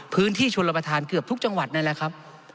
ชนรับประทานเกือบทุกจังหวัดนั่นแหละครับ